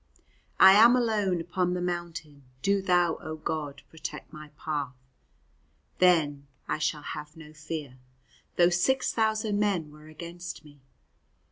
I am alone upon the mountain Do Thou, O God, protect my path. Then shall I have no fear, Though six thousand men were against me.